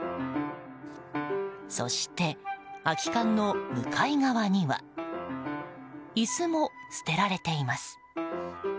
そして、空き缶の向かい側には椅子も捨てられています。